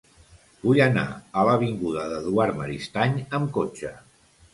Vull anar a l'avinguda d'Eduard Maristany amb cotxe.